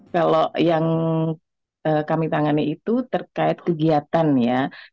kalau yang kami tangani itu terkait kegiatan ya